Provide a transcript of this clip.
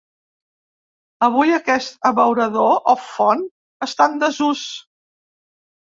Avui aquest abeurador o font està en desús.